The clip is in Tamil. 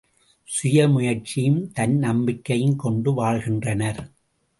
சுய முயற்சியும் தன் நம்பிக்கையும் கொண்டு வாழ்கின்றனர்.